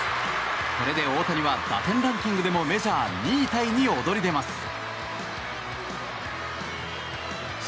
これで大谷は打点ランキングでもメジャー２位タイに躍り出ます。